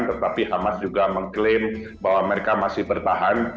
tetapi hamas juga mengklaim bahwa mereka masih bertahan